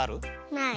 ない。